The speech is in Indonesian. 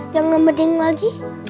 jangan mending lagi